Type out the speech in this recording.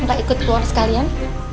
enggak ikut keluar sekalian